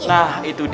nah itu dia